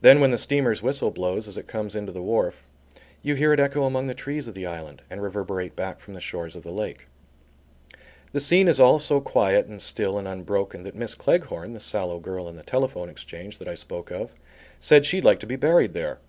Then when the steamer's whistle blows as it comes into the wharf, you hear it echo among the trees of the island, and reverberate back from the shores of the lake. The scene is all so quiet and still and unbroken, that Miss Cleghorn, the sallow girl in the telephone exchange, that I spoke of said she'd like to be buried there.